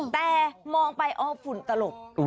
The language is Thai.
แต่มองไปอ๋อฝุ่นตลบ